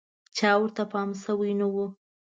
چا ورته پام شوی نه و.